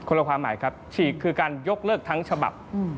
ละความหมายครับฉีกคือการยกเลิกทั้งฉบับ